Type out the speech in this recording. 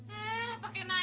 hei pakai nanya